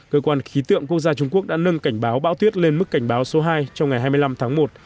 cơ quan khí tượng quốc gia trung quốc đã nâng cảnh báo bão tuyết lên mức cảnh báo số hai trong ngày hai mươi năm tháng một